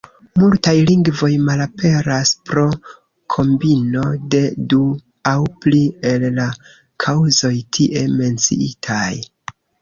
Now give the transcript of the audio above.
Multaj lingvoj malaperas pro kombino de du aŭ pli el la kaŭzoj tie menciitaj.